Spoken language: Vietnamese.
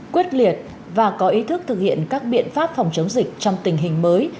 quyết liệt và có ý thức thực hiện các biện pháp phòng chống dịch trong tình hình mới